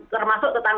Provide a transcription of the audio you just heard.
karena di triwunnya